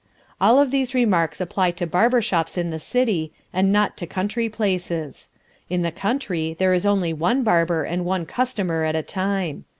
All of these remarks apply to barber shops in the city, and not to country places. In the country there is only one barber and one customer at a time.